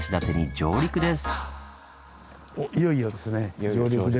上陸です。